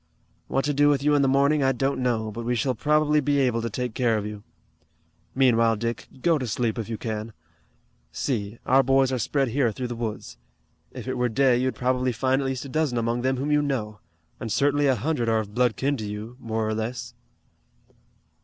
"What to do with you in the morning I don't know, but we shall probably be able to take care of you. Meanwhile, Dick, go to sleep if you can. See, our boys are spread here through the woods. If it were day you'd probably find at least a dozen among them whom you know, and certainly a hundred are of blood kin to you, more or less."